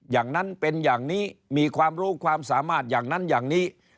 อย่างนั้นเป็นอย่างนี้มีความรู้ความสามารถอย่างนั้นอย่างนี้